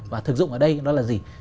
và thực dụng ở đây đó là gì